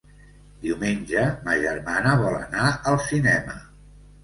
Diumenge ma germana vol anar al cinema.